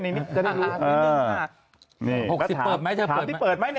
๖๐เปิดมั้ย